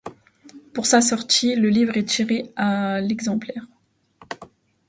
Pour sa sortie, le livre est tiré à exemplaires.